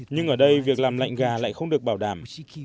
nhưng ở đây việc làm lạnh gà lại không được bảo đảm